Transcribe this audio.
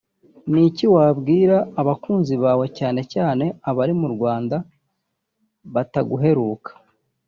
Ni iki wabwira abakunzi bawe cyane cyane abari mu Rwanda bataguheruka